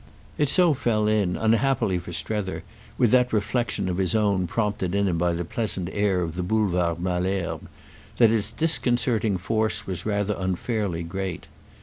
It so fell in, unhappily for Strether, with that reflexion of his own prompted in him by the pleasant air of the Boulevard Malesherbes, that its disconcerting force was rather unfairly great.